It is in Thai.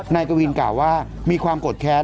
กวินกล่าวว่ามีความโกรธแค้น